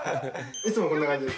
いつもこんな感じです。